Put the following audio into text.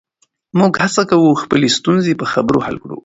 موږ هڅه کوو چې خپلې ستونزې په خبرو حل کړو.